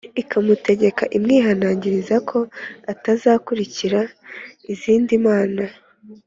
ikamutegeka imwihanangirije ko atazakurikira izindi mana